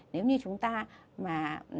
nếu như chúng ta mà